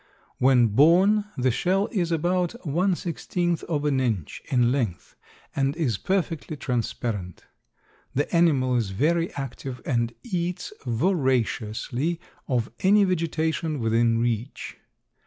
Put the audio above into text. When born the shell is about one sixteenth of an inch in length and is perfectly transparent. The animal is very active and eats voraciously of any vegetation within reach.